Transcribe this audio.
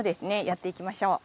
やっていきましょう。